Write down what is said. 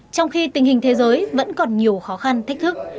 trong khi tình hình thế giới vẫn còn nhiều khó khăn thách thức